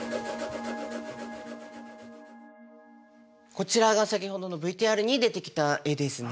こちらが先ほどのＶＴＲに出てきた絵ですね。